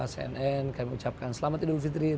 cnn kami ucapkan selamat idul fitri